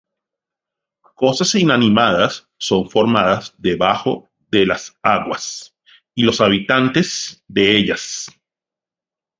Cosas inanimadas son formadas Debajo de las aguas, y los habitantes de ellas.